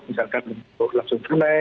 misalkan bentuk langsung mulai